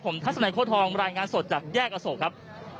ผมทัศนัยโค้ทองรายงานสดจากแยกอโศกครับ